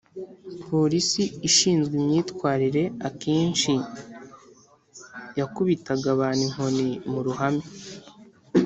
polisi ishinzwe imyitwarire akenshi yakubitaga abantu inkoni mu ruhame